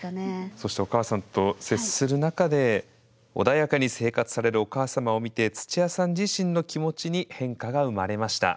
そしてお母さんと接する中で穏やかに生活されるお母様を見てつちやさん自身の気持ちに変化が生まれました。